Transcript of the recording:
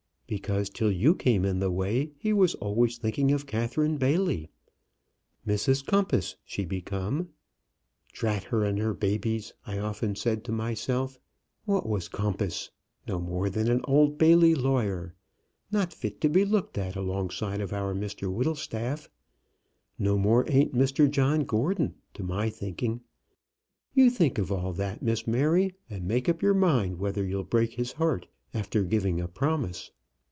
Because till you came in the way he was always thinking of Catherine Bailey. Mrs Compas she become. 'Drat her and her babies!' I often said to myself. What was Compas? No more than an Old Bailey lawyer; not fit to be looked at alongside of our Mr Whittlestaff. No more ain't Mr John Gordon, to my thinking. You think of all that, Miss Mary, and make up your mind whether you'll break his heart after giving a promise.